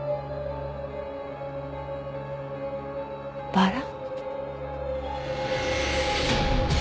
バラ？